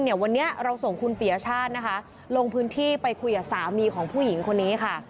วันนี้เราส่งคุณปียชาตินะคะลงพื้นที่ไปคุยกับสามีของผู้หญิงคนนี้ค่ะ